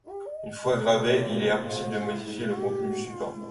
Une fois gravé, il est impossible de modifier le contenu du support.